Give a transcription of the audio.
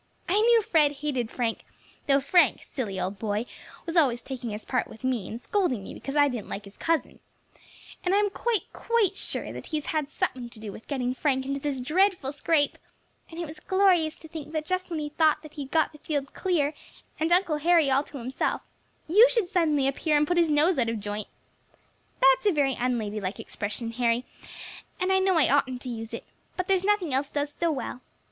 "I knew Fred hated Frank, though Frank, silly old boy, was always taking his part with me, and scolding me because I didn't like his cousin; and I am quite, quite sure that he has had something to do with getting Frank into this dreadful scrape, and it was glorious to think that just when he thought that he had got the field clear, and uncle Harry all to himself, you should suddenly appear and put his nose out of joint. That's a very unladylike expression, Harry, and I know I oughtn't to use it, but there's nothing else does so well.